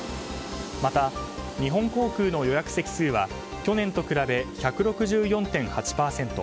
また、日本航空の予約席数は去年と比べ１６４．８％。